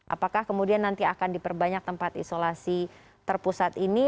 apakah kemudian nanti akan diperbanyak tempat isolasi terpusat ini